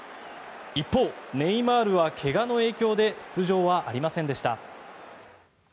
一方、ネイマールは怪我の影響で出場はありませんでした。